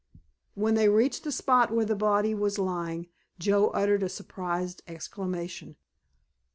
When they reached the spot where the body was lying Joe uttered a surprised exclamation.